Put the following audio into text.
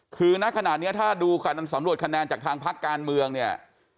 คือณขณะนี้ถ้าดูการสำรวจคะแนนจากทางพักการเมืองเนี่ย